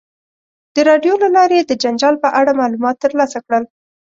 د راډیو له لارې یې د جنجال په اړه معلومات ترلاسه کړل.